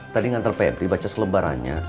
tadi ngantar pebri baca selebarannya